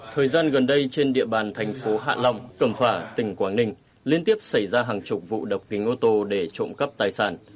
thời gian gần đây trên địa bàn thành phố hạ long cẩm phả tỉnh quảng ninh liên tiếp xảy ra hàng chục vụ độc kính ô tô để trộm cắp tài sản